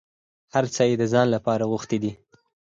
هر څه یې د ځان لپاره غوښتي دي.